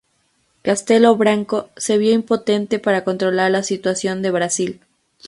Castelo Branco se vio impotente para controlar la situación de Brasil.